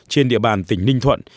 trên địa bàn tỉnh ninh thuận